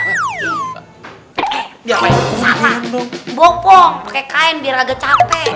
eh ngaduk bopong pakai kain biar agak capek